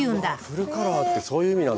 フルカラーってそういう意味なんだ。